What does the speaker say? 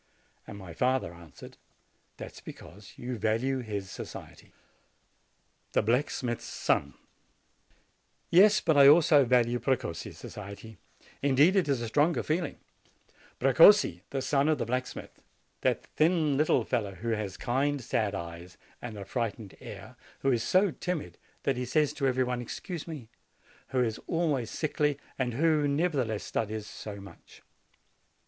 And my father answered, 'That is because you value his society." THE BLACKSMITH'S SON Yes, but I also value Precossi's society indeed it is a stronger feeling, Precossi, the son of the black smith, that thin, little fellow, who has kind, sad eyes and a frightened air; who is so timid that he says to every one, "Excuse me"; who is always sickly, and who, nevertheless, studies so much.